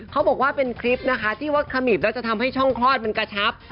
เขาบอกว่าเป็นคลิปนะคะที่ว่าขมิบแล้วจะทำให้ช่องคลอดมันกระชับ